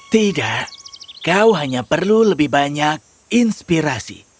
tidak kau hanya perlu lebih banyak inspirasi